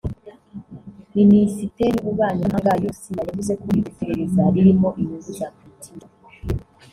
Minisiteri y’Ububanyi n’Amahanga y’u Burusiya yavuze ko iryo perereza ririmo inyungu za politiki